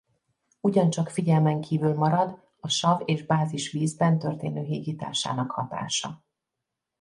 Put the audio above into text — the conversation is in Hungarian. Ugyancsak figyelmen kívül marad a sav és bázis vízben történő hígításának hatása.